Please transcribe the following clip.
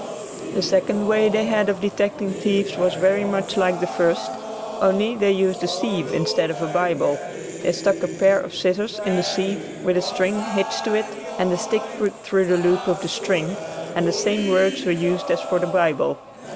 The second way they had of detecting thieves was very much like the first, only they used a sieve instead of a Bible; they stuck a pair of scissors in the sieve with a string hitched to it and a stick put through the loop of the string and the same words were used as for the Bible.